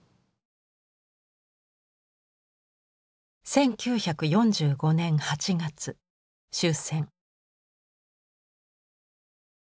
１９４５年８月終戦。